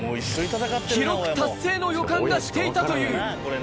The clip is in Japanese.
記録達成の予感がしていたという。